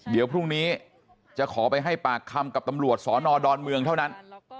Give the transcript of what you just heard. เดี๋ยวพรุ่งนี้จะขอไปให้ปากคำกับตำรวจสอนอดอนเมืองเท่านั้น